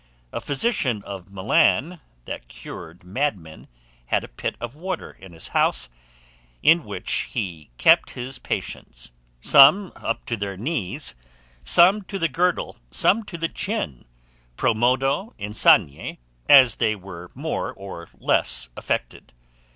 A physician of Milan, that cured madmen, had a pit of water in his house, in which he kept his patients, some up to the knees, some to the girdle, some to the chin, pro modo insaniae, as they were more or less affected.